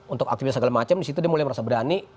untuk aktivitas segala macam disitu dia mulai merasa berani